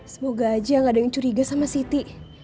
semoga aja gak ada yang curiga sama siti